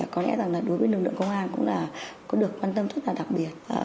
có lẽ là đối với lực lượng công an cũng được quan tâm rất đặc biệt